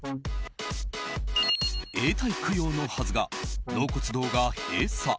永代供養のはずが、納骨堂が閉鎖。